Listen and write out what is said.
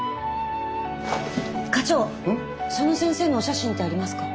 その先生のお写真ってありますか？